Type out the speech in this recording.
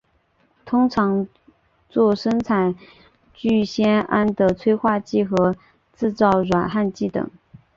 通常作生产聚酰胺的催化剂和制造软焊剂等。